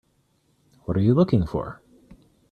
What are you looking for?